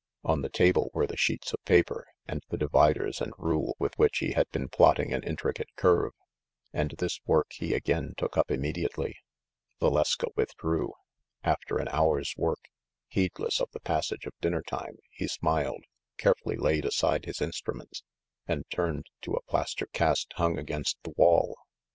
On the table were the sheets of paper and the dividers and rule with which he had been plotting an intricate curve, and this work he again took up immediately. Valeska withdrew. After an hour's work, heedless of the passage of dinner time, he smiled, carefully laid aside his instruments, and turned to a plaster cast hung against the wall.